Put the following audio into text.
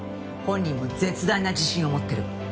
本人も絶大な自信を持ってる。